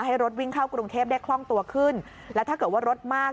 ให้รถวิ่งเข้ากรุงเทพได้คล่องตัวขึ้นและถ้าเกิดว่ารถมาก